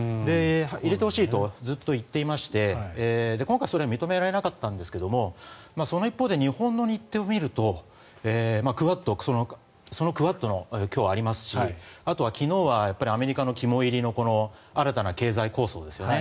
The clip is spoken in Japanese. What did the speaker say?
入れてほしいとずっと言っていまして今回それは認められなかったんですがその一方で、日本の日程を見るとそのクアッド、今日ありますしあとは昨日はアメリカの肝煎りの新たな経済構造ですよね